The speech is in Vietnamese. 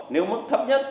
nếu mức thấp nhất